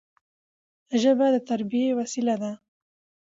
ژبه د تربيي وسیله ده.